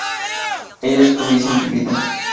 ¿ellos hubiesen vivido?